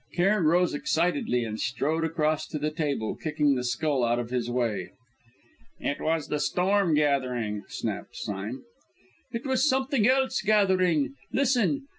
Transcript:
Cairn rose excitedly and strode across to the table, kicking the skull out of his way. "It was the storm gathering," snapped Sime. "It was something else gathering! Listen!